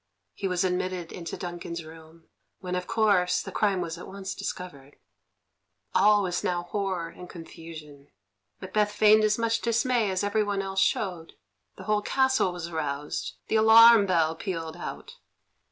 He was admitted into Duncan's room, when, of course, the crime was at once discovered. All was now horror and confusion. Macbeth feigned as much dismay as everyone else showed. The whole castle was aroused; the alarum bell pealed out.